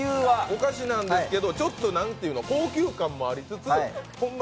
お菓子なんですけどちょっと高級感もありつつホンマ